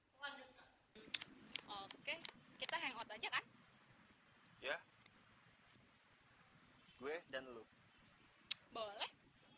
hai hai hai hai hai hai hai lanjutkan oke kita hangout aja kan ya hai gue dan lu boleh